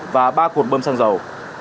và ba khuột bơm xăng dầu